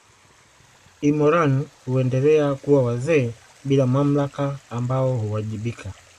Ilmoran huendelea kuwa wazee bila mamlaka ambao huwajibika